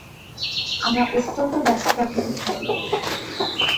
আমরা অত্যন্ত ব্যস্ততার ভিতর থাকি।